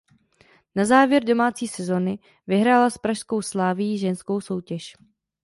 Na závěr domácí sezony vyhrála s pražskou Slavií ženskou soutěž.